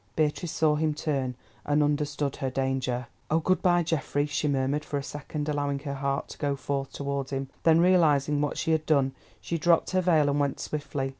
Beatrice saw him turn, and understood her danger. "Oh, good bye, Geoffrey!" she murmured, for a second allowing her heart to go forth towards him. Then realising what she had done, she dropped her veil, and went swiftly.